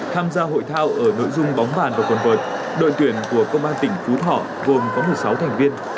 tham gia hội thao ở nội dung bóng bàn và quần vợt đội tuyển của công an tỉnh phú thọ gồm có một mươi sáu thành viên